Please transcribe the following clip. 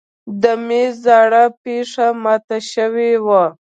د مېز زاړه پښه مات شوې وه.